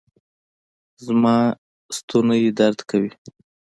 زما ستونی درد کوي